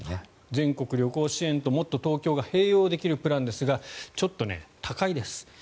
全国旅行支援ともっとＴｏｋｙｏが併用できるプランですがちょっと高いです。